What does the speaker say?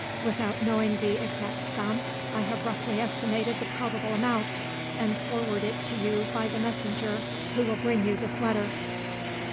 Without knowing the exact sum, I have roughly calculated the probable amount, and forward it to you by the messenger who will bring you this letter."